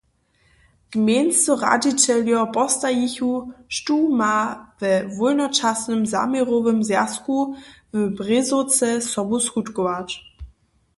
Gmejnscy radźićeljo postajichu, štó ma we wólnočasowym zaměrowym zwjazku w Brězowce sobu skutkować.